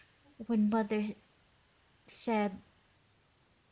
when Mother said...."